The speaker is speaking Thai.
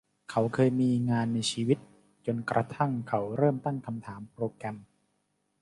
เขาเคยมีงานในชีวิต จนกระทั่งเขาเริ่มตั้งคำถามโปรแกรม